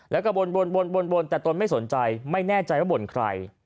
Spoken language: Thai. แล้วก็วนแต่ตนไม่สนใจไม่แน่ใจว่าบ่นใคร